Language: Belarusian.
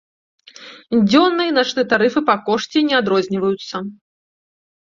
Дзённы і начны тарыфы па кошце не адрозніваюцца.